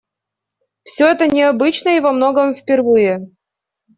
Все это необычно и во многом впервые.